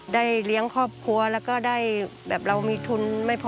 เลี้ยงครอบครัวแล้วก็ได้แบบเรามีทุนไม่พอ